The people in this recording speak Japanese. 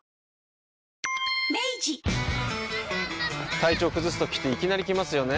体調崩すときっていきなり来ますよね。